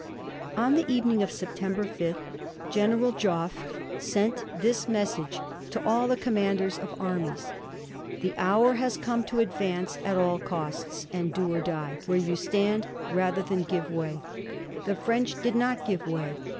On the evening of September fifth General Joffre sent this message to all the commanders of armies: "The hour has come to advance at all costs, and do or die where you stand rather than give way." The French did not give way.